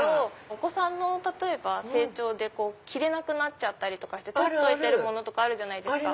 お子さんの成長で着れなくなっちゃったりして取っといてるものとかあるじゃないですか。